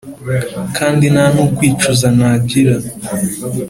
Kandi ntanukwicuza nagira.